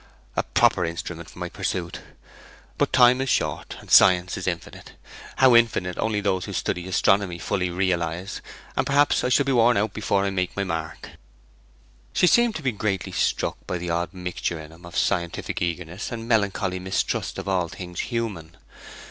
'A proper instrument for my pursuit. But time is short, and science is infinite, how infinite only those who study astronomy fully realize, and perhaps I shall be worn out before I make my mark.' She seemed to be greatly struck by the odd mixture in him of scientific earnestness and melancholy mistrust of all things human.